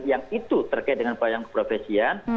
yang itu terkait dengan pelayanan keprofesian